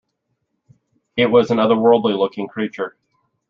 It was an otherworldly looking creature.